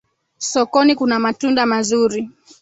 Sokoni kuna matunda mazuri